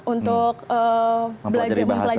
untuk mempelajari bahasa